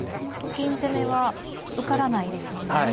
このと金攻めは受からないですもんね。